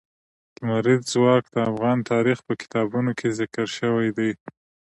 لمریز ځواک د افغان تاریخ په کتابونو کې ذکر شوی دي.